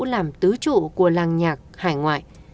làm tứ trụ của làng nhạc hải ngoại